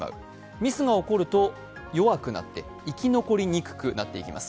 ミスが起こると弱くなって生き残りにくくなっていきます。